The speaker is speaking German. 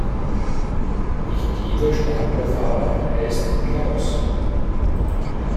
Nicht jeder Staplerfahrer heißt Klaus.